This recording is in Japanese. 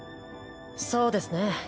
そうですね。